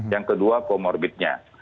yang kedua komorbitnya